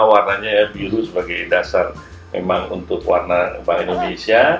warnanya ya biru sebagai dasar memang untuk warna indonesia